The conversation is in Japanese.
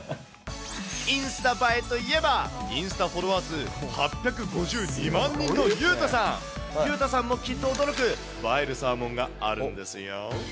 インスタ映えといえば、インスタフォロワー数８５２万人の悠太さん、悠太さんもきっと驚く映えるサーモンがあるんですよ。